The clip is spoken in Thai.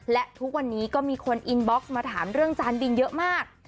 และทุกวันนี้ก็มีคนอินบ็อกซ์มาถามเรื่องจานบินเยอะมาก